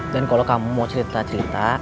dan kalau kamu mau cerita cerita